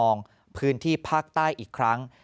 ต้องกลับมาจับตามองพื้นที่ภาคใต้อีกครั้ง